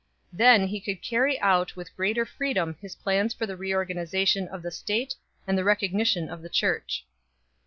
Then he could carry out with greater freedom his plans for the reorganization of the state and the recognition of the Church.